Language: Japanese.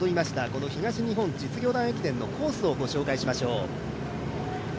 この東日本実業団駅伝のコースをご紹介しましょう。